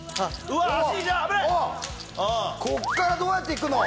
こっからどうやって行くの？